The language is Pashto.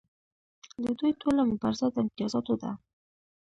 د دوی ټوله مبارزه د امتیازاتو ده.